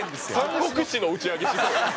『三国志』の打ち上げしそうやん。